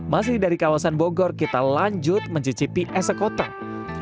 masih dari kawasan bogor kita lanjut mencicipi es sekotak